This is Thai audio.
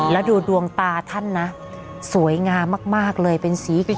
แล้วดูดวงตาท่านนะสวยงามมากเลยเป็นสีเขียว